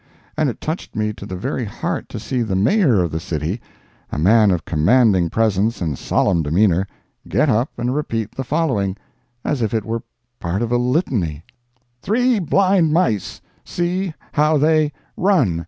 And it touched me to the very heart to see the Mayor of the city—a man of commanding presence and solemn demeanor—get up and repeat the following, as if it were a part of a litany: Three blind mice, See—how they—run.